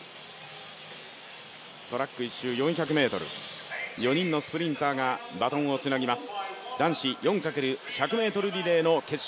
トラック１周４００ｍ、４人のスプリンターがバトンをつなぎます。